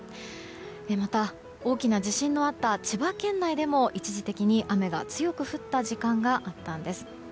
また、大きな地震のあった千葉県内でも一時的に雨が強く降った時間があったんです。